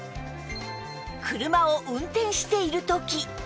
車を運転している時